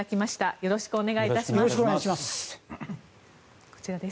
よろしくお願いします。